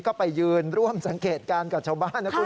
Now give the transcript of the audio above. ก็ไปยืนร่วมสังเกตการณ์กับชาวบ้านนะคุณ